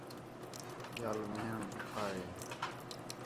ٻِیال وین٘ہݨ ݙُکّھا ہِے